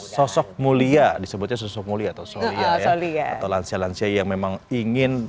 sosok mulia disebutnya sosok mulia atau solia ya atau lansia lansia yang memang ingin